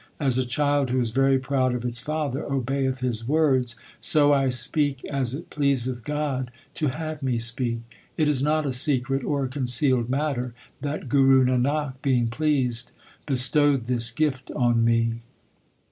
As a child who is very proud of its father, obeyeth his words, So I speak as it pleaseth God to have me speak. It is not a secret or a concealed matter That Guru Nanak, being pleased, bestowed this gift on me.